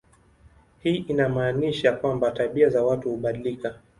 Hii inamaanisha kwamba tabia za watu hubadilika.